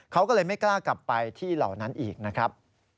เขาก็เลยไม่กล้ากลับไปที่เหล่านั้นอีกนะครับ